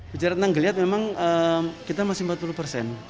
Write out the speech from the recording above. bicara tentang geliat memang kita masih empat puluh persen